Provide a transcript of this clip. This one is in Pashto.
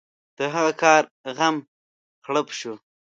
د هغه کار غم غړپ شو.